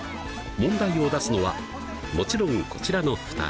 問題を出すのはもちろんこちらの２人。